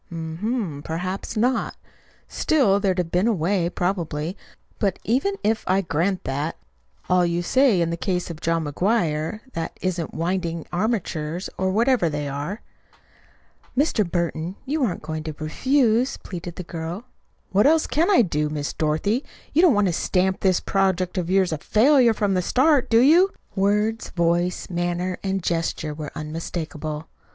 "Hm m, perhaps not. Still there'd have been a way, probably. But even if I grant that all you say in the case of John McGuire that isn't winding armatures, or whatever they are." "Mr. Burton, you aren't going to refuse," pleaded the girl. "What else can I do? Miss Dorothy, you don't want to stamp this project of yours a FAILURE from the start, do you?" Words, voice, manner, and gesture were unmistakable.